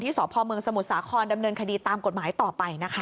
สพเมืองสมุทรสาครดำเนินคดีตามกฎหมายต่อไปนะคะ